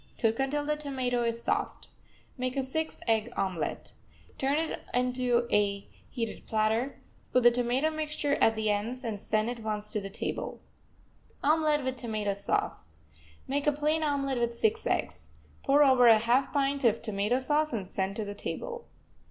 Cook until the tomato is soft. Make a six egg omelet. Turn it onto a heated platter, put the tomato mixture at the ends, and send at once to the table. OMELET WITH TOMATO SAUCE Make a plain omelet with six eggs. Pour over a half pint of tomato sauce, and send to the table.